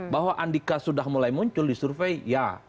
bahwa andika sudah mulai muncul di survei ya